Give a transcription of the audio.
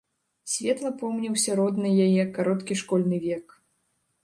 Светла помніўся роднай яе кароткі школьны век.